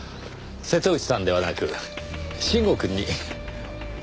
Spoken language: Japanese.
瀬戸内さんではなく臣吾くんに。